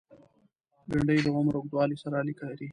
بېنډۍ د عمر اوږدوالی سره اړیکه لري